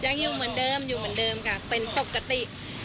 ยังอยู่เหมือนเดิมอยู่เหมือนเดิมค่ะเป็นปกติ